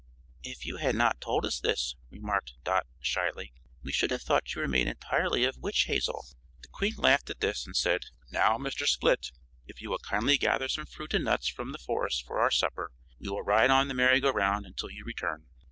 "If you had not told us this," remarked Dot, shyly, "we should have thought you were made entirely of witch hazel." The Queen laughed at this, and said: "Now, Mr. Split, if you will kindly gather some fruit and nuts from the forest for our supper we will ride on the merry go round until you return."